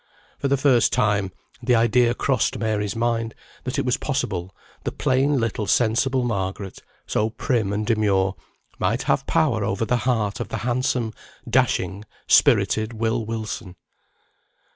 For the first time the idea crossed Mary's mind that it was possible the plain little sensible Margaret, so prim and demure, might have power over the heart of the handsome, dashing, spirited Will Wilson.